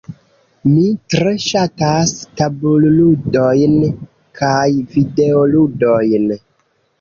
Mi tre ŝatas tabulludojn kaj videoludojn.